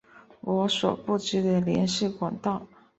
我所不知的联系管道